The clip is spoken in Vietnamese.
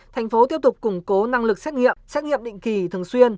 thành phố tiếp tục củng cố năng lực xét nghiệm xét nghiệm định kỳ thường xuyên